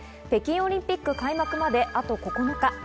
北京オリンピック開幕まであと９日。